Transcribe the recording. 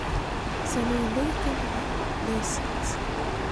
Sami yella yeqqim din, la isett.